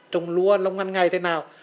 trông lúa lông ăn ngay thế nào